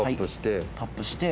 タップして。